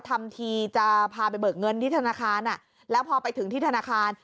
ทำทีจะพาไปเบิกเงินที่ธนาคารแล้วพอไปถึงที่ธนาคาร